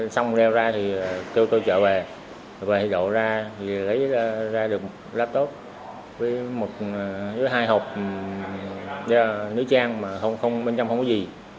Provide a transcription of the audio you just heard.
xong leo ra thì kêu tôi trở về về thì đổ ra lấy ra được laptop với hai hộp nữ trang mà bên trong không có gì